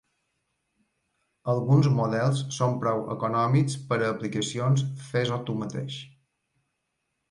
Alguns models són prou econòmics per a aplicacions fes-ho tu mateix.